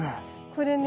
これね